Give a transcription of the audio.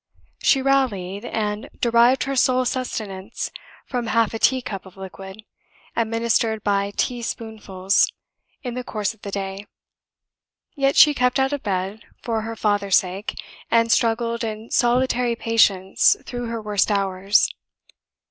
She rallied, and derived her sole sustenance from half a tea cup of liquid, administered by tea spoonfuls, in the course of the day. Yet she kept out of bed, for her father's sake, and struggled in solitary patience through her worst hours.